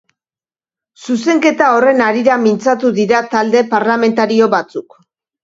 Zuzenketa horren harira mintzatu dira talde parlamentario batzuk.